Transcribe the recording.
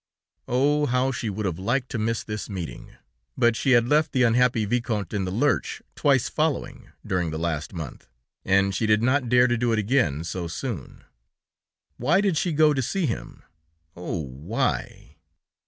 Oh! how she would have liked to miss this meeting, but she had left the unhappy viscount in the lurch, twice following, during the last month, and she did not dare to do it again so soon. Why did she go to see him? Oh! why?